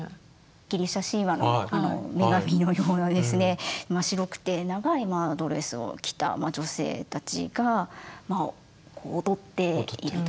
ギリシャ神話の女神のようなですね白くて長いドレスを着た女性たちが踊っていると。